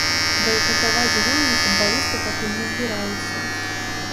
Байкатаваць гульні футбалісты пакуль не збіраюцца.